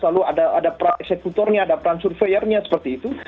lalu ada pra eksekutornya ada pra surveyernya seperti itu